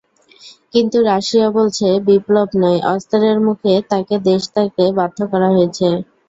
কিন্তু রাশিয়া বলছে, বিপ্লব নয়, অস্ত্রের মুখে তাঁকে দেশত্যাগে বাধ্য করা হয়েছে।